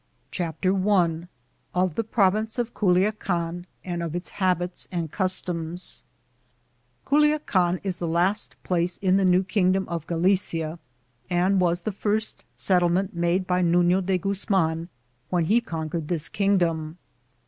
CHAPTER I Of the province of Culiacan and of its habits and Culiacan is the last place in the New Kingdom of Galicia, and was the first settle ment made by Nufio de Guzman when he conquered this kingdom.